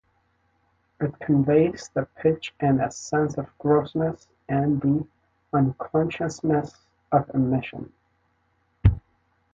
It conveys the pitch and a sense of grossness and the unconsciousness of emission.